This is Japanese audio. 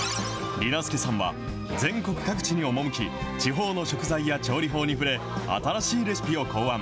りな助さんは全国各地に赴き、地方の食材や調理法に触れ、新しいレシピを考案。